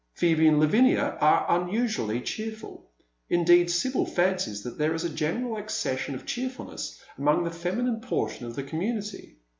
Phoebe and Lavinia are unusually cheerful ; indeed, Sibyl fancies that there is a general accession of cheerfulness among the feminine portion of the community.